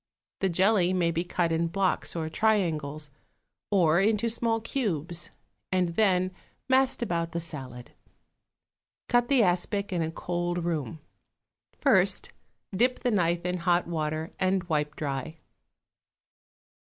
The jelly may be cut in blocks or triangles, or into small cubes, and then massed about the salad. Cut the aspic in a cold room; first dip the knife in hot water and wipe dry.